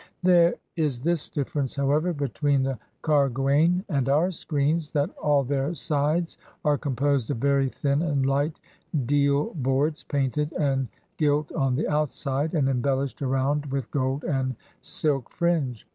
There is this difiference, however, between the karguain and our screens, that all their sides are com posed of ver} thin and light deal boards painted and gilt on the outside, and embellished aroimd with gold and sUk fringe.